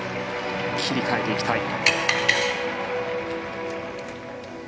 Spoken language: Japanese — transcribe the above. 切り替えていきたい。